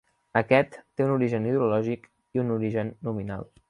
Aquest té un origen hidrològic i un origen nominal.